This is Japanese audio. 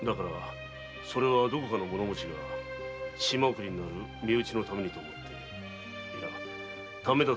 それはどこかの物持ちが島送りになる身内のためと思っていや「ため」だと